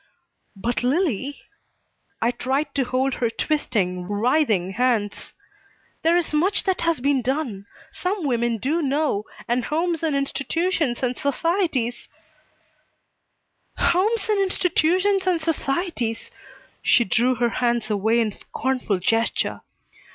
"But, Lillie" I tried to hold her twisting, writhing hands. "There is much that has been done. Some women do know, and homes and institutions and societies " "Homes and institutions and societies!" She drew her hands away in scornful gesture.